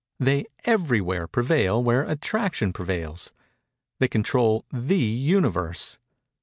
They everywhere prevail where Attraction prevails. They control the Universe.